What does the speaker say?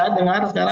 bisa dengar sekarang